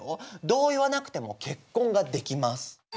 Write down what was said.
同意はなくても結婚ができます。